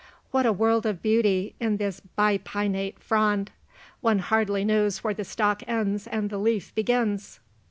What a world of beauty in this bipinnate frond! One hardly knows where the stalk ends and the leaf begins!"